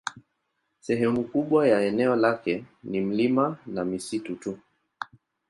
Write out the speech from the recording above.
Sehemu kubwa ya eneo lake ni milima na misitu tu.